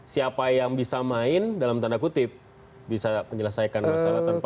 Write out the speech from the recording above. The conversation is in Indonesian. siapa yang bisa main dalam tanda kutip bisa menyelesaikan masalah tanpa